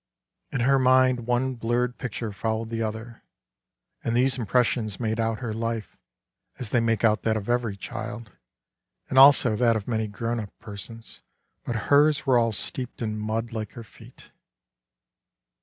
In her mind one blurred picture followed the other, and these impressions made out her life, as they make out that of every child, and also that of many growh up persons, but hers were all steeped in mud like her feet.